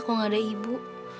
kok ga ada ibu